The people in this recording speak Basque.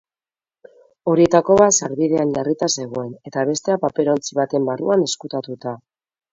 Horietako bat sarbidean jarrita zegoen eta bestea paperontzi baten barruan ezkutatuta.